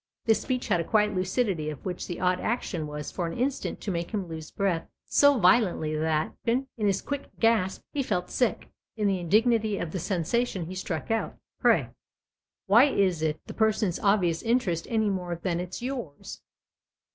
This speech had a quiet lucidity of which the odd action was for an instant to make him lose breath so violently that, in his quick gasp, he felt sick. In the indignity of the sensation he struck out. " Pray, why is it the person's obvious interest any more than it's yours